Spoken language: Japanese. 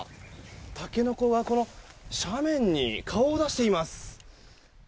タケノコが斜面に顔を出しています。